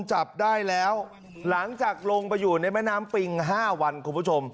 จับได้แล้วหลังจากลงไปอยู่ในแม่น้ำปิง๕วันคุณผู้ชม